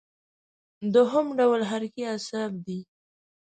دویم ډول حرکي اعصاب دي.